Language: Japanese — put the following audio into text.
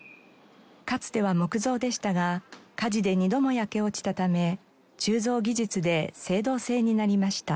かつては木造でしたが火事で２度も焼け落ちたため鋳造技術で青銅製になりました。